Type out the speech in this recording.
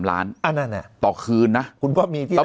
๓ล้านต่อคืนนะเพราะว่ามีที่ไหน